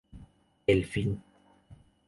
El fin.